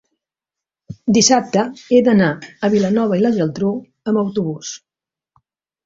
dissabte he d'anar a Vilanova i la Geltrú amb autobús.